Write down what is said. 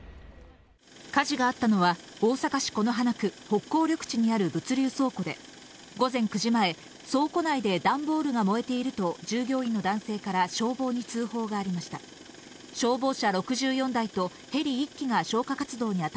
火事があったのは、大阪市此花区北港緑地にある物流倉庫で、午前９時前、倉庫内で段ボールが燃えていると、従業員の男性から消防に通報がありました。